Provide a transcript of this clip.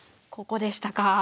ここでしたか。